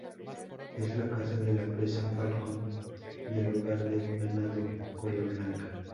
Es la casa de la Presa Falcón y el hogar del venado cola blanca.